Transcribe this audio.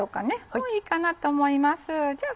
もういいかなと思いますじゃあ